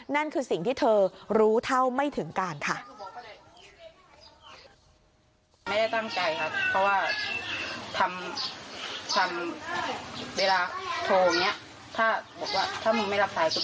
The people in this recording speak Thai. นั่นคือสิ่งที่เธอรู้เท่าไม่ถึงการค่ะ